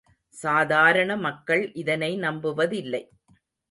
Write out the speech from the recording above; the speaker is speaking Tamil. சாதாரண மக்கள் இதனை நம்புவதில்லை.